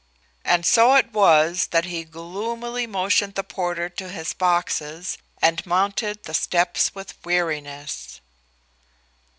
And so it was that he gloomily motioned the porter to his boxes and mounted the steps with weariness.